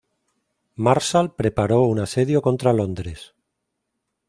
Marshal preparó un asedio contra Londres.